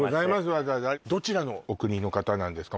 わざわざどちらのお国の方なんですか？